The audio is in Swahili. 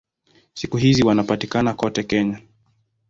Siku hizi wanapatikana kote Kenya.